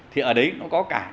thì ở đấy nó có cả